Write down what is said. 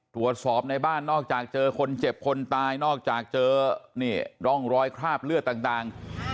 ตรวจสอบในบ้านนอกจากเจอคนเจ็บคนตายนอกจากเจอนี่ร่องรอยคราบเลือดต่าง